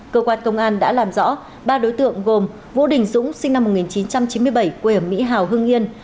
cơ quan công an đã làm rõ ba đối tượng gồm vũ đình dũng sinh năm một nghìn chín trăm chín mươi bảy quê ở mỹ hào hưng yên